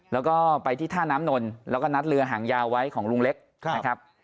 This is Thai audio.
แล้วก็ไปที่ท่าน้ำนนแล้วก็นัดเรือหางยาวไว้ของลุงเล็กนะครับ